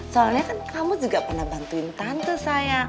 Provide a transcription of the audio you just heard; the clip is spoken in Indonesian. soalnya kan kamu juga pernah bantuin tante saya